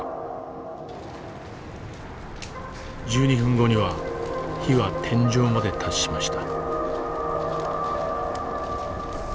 １２分後には火は天井まで達しました。